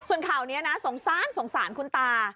ส่วนข่าวนี้นะสงสารสงสารคุณตา